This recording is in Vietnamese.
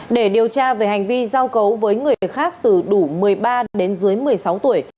để điều tra về hành vi giao cấu với người khác từ đủ một mươi ba đến dưới một mươi sáu tuổi